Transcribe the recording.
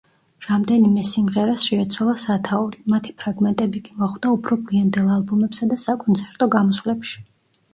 რამდენიმე სიმღერას შეეცვალა სათაური, მათი ფრაგმენტები კი მოხვდა უფრო გვიანდელ ალბომებსა და საკონცერტო გამოსვლებში.